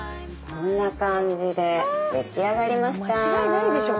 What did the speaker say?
こんな感じで出来上がりました。